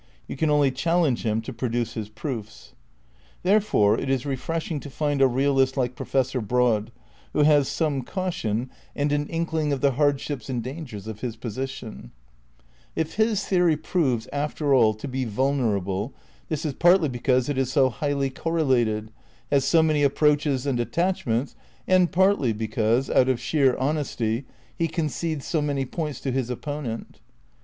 You can only chal lenge him to produce his proofs. Therefore it is refreshing to find a realist like Pro fessor Broad who has some caution and an inkling of 49 50 THE NEW IDEALISM in the hardships and dangers of his position. If his the ory proves, after all, to be vulnerable this is partly be cause it is so highly correlated, has so many approaches and attachments, and partly because, out of sheer hon esty, he concedes so many points to his opponent.